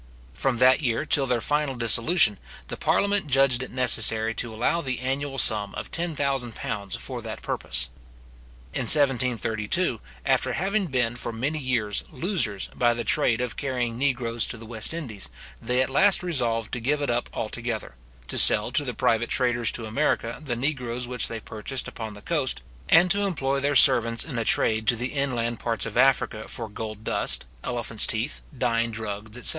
From that year till their final dissolution, the parliament judged it necessary to allow the annual sum of £10,000 for that purpose. In 1732, after having been for many years losers by the trade of carrying negroes to the West Indies, they at last resolved to give it up altogether; to sell to the private traders to America the negroes which they purchased upon the coast; and to employ their servants in a trade to the inland parts of Africa for gold dust, elephants teeth, dyeing drugs, etc.